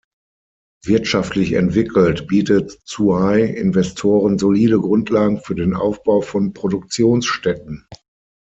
Wirtschaftlich entwickelt, bietet Zhuhai Investoren solide Grundlagen für den Aufbau von Produktionsstätten.